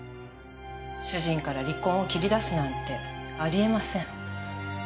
主人から離婚を切り出すなんてあり得ません。